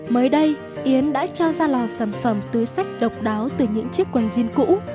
mới đây yến đã cho ra lò sản phẩm túi sách độc đáo từ những chiếc quần jean cũ